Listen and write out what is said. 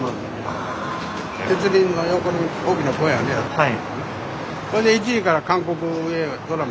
はい。